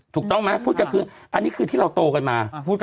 ถูกต้องไหมพูดกันคืออันนี้คือที่เราโตกันมา